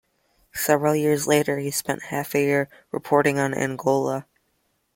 Several years later he spent half a year reporting on Angola.